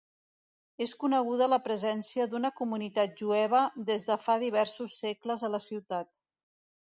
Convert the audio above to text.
És coneguda la presència d'una comunitat jueva des de fa diversos segles a la ciutat.